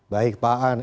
baik pak an